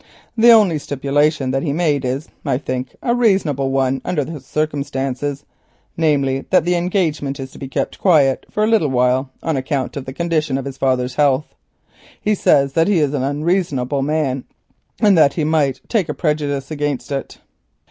The only stipulation that he made is, as I think, a reasonable one under the circumstances, namely, that the engagement is to be kept quiet for a little while on account of the condition of his father's health. He says that he is an unreasonable man, and that he might take a prejudice against it."